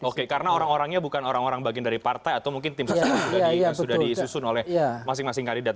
oke karena orang orangnya bukan orang orang bagian dari partai atau mungkin tim nasional juga yang sudah disusun oleh masing masing kandidat